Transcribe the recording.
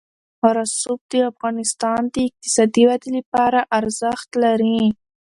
رسوب د افغانستان د اقتصادي ودې لپاره ارزښت لري.